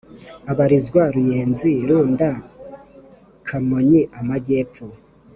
abarizwa Ruyenzi Runda KamonyiAmajyepfo